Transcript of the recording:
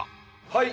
はい。